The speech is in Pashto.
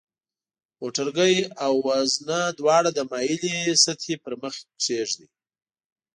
موټرګی او وزنه دواړه د مایلې سطحې پر مخ کیږدئ.